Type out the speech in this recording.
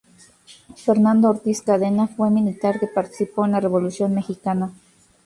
Fernando Ortiz Cadena fue un militar que participó en la Revolución mexicana.